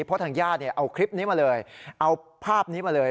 เพราะทางญาติเอาคลิปนี้มาเลยเอาภาพนี้มาเลย